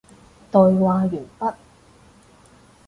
對話完畢